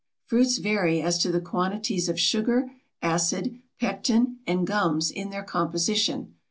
Fruits vary as to the quantities of sugar, acid, pectin, and gums in their composition.